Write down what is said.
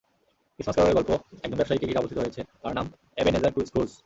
Christmas ক্যারোলের গল্প একজন ব্যবসায়ীকে ঘিরে আবর্তিত হয়েছে, তার নাম এবেনেজার স্ক্রুজ।